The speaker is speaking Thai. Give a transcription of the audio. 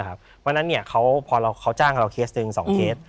ประมาณนั้นแหละครับพอนั้นเนี่ยเขาจ้างกับเราเคสหนึ่งสองเคส